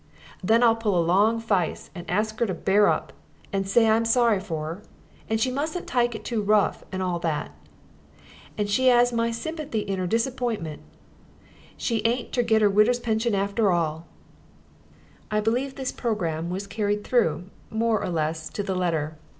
Then I'll pull a long fice and hask 'er ter bear up, and say I'm sorry for 'er, and she mustn't tike it too rough, and all that; and she 'as my sympathy in 'er diserpointment: she ain't ter get 'er widow's pension arter all!" I believe that this programme was carried through, more or less to the letter.